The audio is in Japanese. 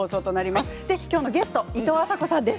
で、今日のゲストはいとうあさこさんです。